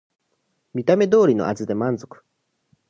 見た目通りの味で満足